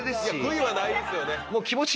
悔いはないですよね。